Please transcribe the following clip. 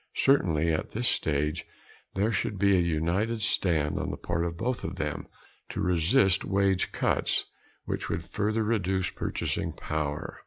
Certainly at this stage there should be a united stand on the part of both of them to resist wage cuts which would further reduce purchasing power.